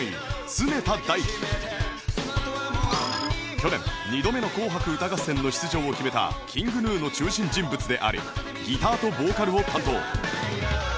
去年２度目の紅白歌合戦の出場を決めた ＫｉｎｇＧｎｕ の中心人物でありギターとボーカルを担当